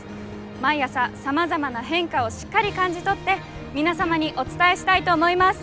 毎朝さまざまな変化をしっかり感じ取って皆様にお伝えしたいと思います。